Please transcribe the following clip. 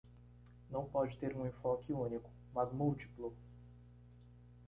não pode ter um enfoque único, mas múltiplo.